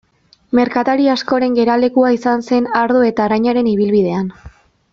Merkatari askoren geralekua izan zen ardo eta arrainaren ibilbidean.